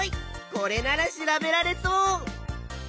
これなら調べられそう。